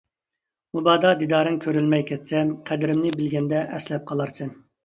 مۇبادا دىدارىڭ كۆرەلمەي كەتسەم، قەدرىمنى بىلگەندە ئەسلەپ قالارسەن.